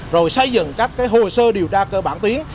rồi xây dựng các hồ sơ điều tra cơ bản tuyến